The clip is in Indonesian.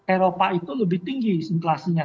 eropa itu lebih tinggi inflasinya